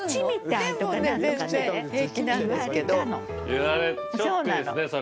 言われショックですねそれ。